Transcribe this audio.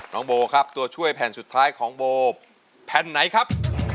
โบครับตัวช่วยแผ่นสุดท้ายของโบแผ่นไหนครับ